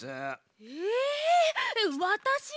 えわたしが？